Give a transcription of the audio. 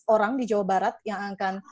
orang di jawa barat yang akan